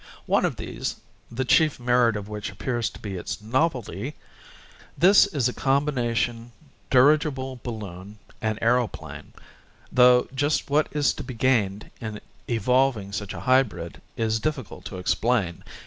One of these, the chief merit of which appears to be its novelty, is illustrated in Fig. 16. This is a combination dirigible balloon and aeroplane, though just what is to be gained in evolving such a hybrid is difficult to explain.